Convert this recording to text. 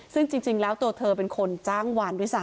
ซึ่งจริงแล้วตัวเธอเป็นคนจ้างวานด้วยซ้